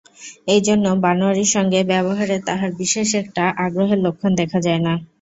এইজন্য বনোয়ারির সঙ্গে ব্যবহারে তাহার বিশেষ একটা আগ্রহের লক্ষণ দেখা যায় না।